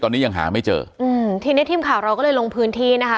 ตอนนี้ยังหาไม่เจออืมทีเนี้ยทีมข่าวเราก็เลยลงพื้นที่นะคะ